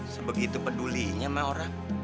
sebegitu peduliinnya mah orang